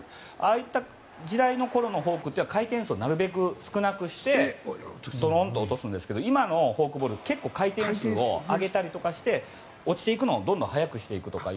ああいった時代のころのフォークは、回転数をなるべく少なくしてどろんと落としますが今のフォークボールは結構回転数を上げたりして落ちていくのをどんどん速くしていくという。